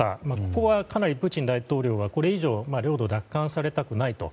ここはかなりプーチン大統領はこれ以上、領土を奪還されたくないと。